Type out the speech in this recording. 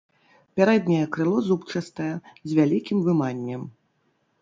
Пярэдняе крыло зубчастае, з вялікім выманнем.